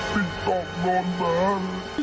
ติ๊กต๊อกโน้นแบบ